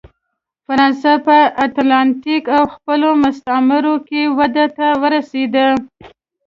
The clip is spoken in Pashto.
فرانسه په اتلانتیک او خپلو مستعمرو کې ودې ته ورسېده.